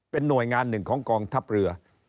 เป็นหน่วยงานหนึ่งของกองทัพเรือ